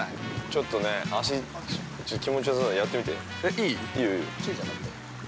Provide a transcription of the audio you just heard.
◆ちょっと足、気持ちよさそうだよやってみて？